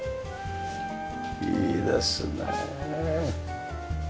いいですね。